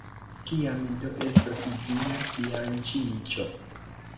Kiam do estos via fianĉiĝo?